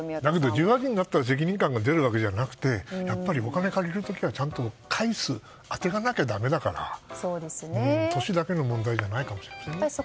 だけど１８になったら責任感が出てくるわけじゃなくてお金借りる時はちゃんとしなきゃだめだから年だけの問題ではないかもしれませんね。